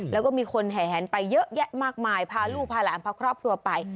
แล้วก็มีคนแห่แหนไปเยอะแยะมากมายพาลูกพาหลานพาครอบครัวไป